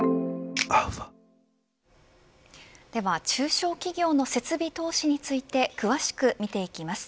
では中小企業の設備投資について詳しく見ていきます。